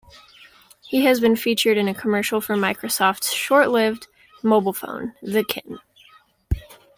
He has been featured in a commercial for Microsoft's short-lived mobile phone, the Kin.